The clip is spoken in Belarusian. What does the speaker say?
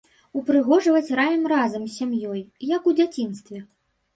Упрыгожваць раім разам з сям'ёй, як у дзяцінстве.